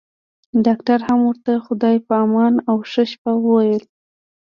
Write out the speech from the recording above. ډاکټر هم ورته خدای په امان او ښه شپه وويله.